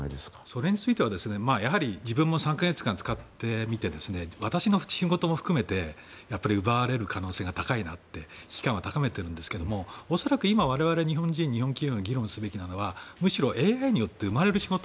それについてはやはり自分も３か月間使ってみて、私の仕事も含めて奪われる可能性が高いなと危機感は高めていますが恐らく今我々日本人、日本企業が議論すべきなのは、むしろＡＩによって生まれる仕事。